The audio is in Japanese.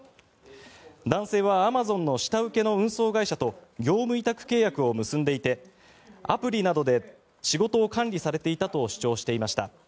男性はアマゾンの下請けの運送会社と業務委託契約を結んでいてアプリなどで仕事を管理されていたと主張していました。